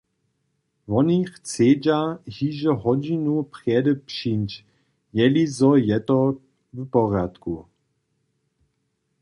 Woni chcedźa hižo hodźinu prjedy přińdź, jelizo je to w porjadku.